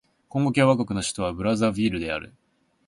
コンゴ共和国の首都はブラザヴィルである